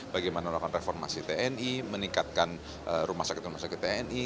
bagaimana melakukan reformasi tni meningkatkan rumah sakit rumah sakit tni